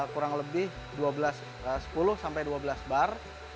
kurang lebih sepuluh sampai dua belas bar